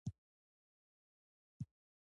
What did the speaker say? زه اوس په ننګرهار ولایت کې یم.